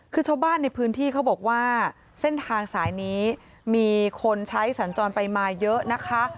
คือชาวบ้านในพื้นที่เขาบอกว่าเส้นทางสายนี้มีคนใช้สัญจรไปมาเยอะนะคะ